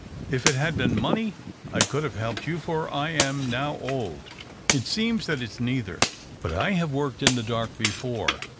If it had been money I could have helped you, for I am now old. It seems that it's neither. But I have worked in the dark before.